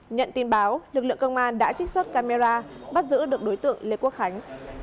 nhận tin báo lực lượng công an đã trích xuất camera bắt giữ được đối tượng lê quốc khánh